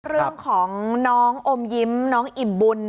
เรื่องของน้องอมยิ้มน้องอิ่มบุญ